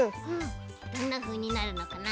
どんなふうになるのかな。